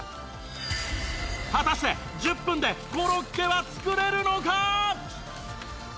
果たして１０分でコロッケは作れるのか？